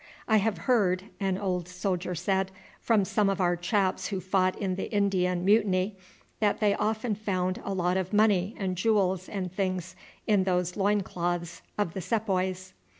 "I have heard," an old soldier said, "from some of our chaps who fought in the Indian mutiny, that they often found a lot of money and jewels and things in those loin cloths of the sepoys."